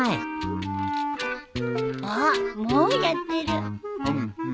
ああもうやってる。